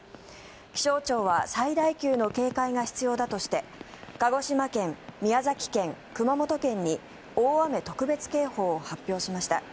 気象庁は最大級の警戒が必要だとして鹿児島県、宮崎県、熊本県に大雨特別警報を発表しました。